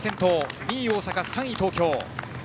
２位に大阪、３位に東京。